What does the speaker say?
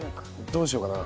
どうしようかな。